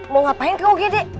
mau ngapain ke ugd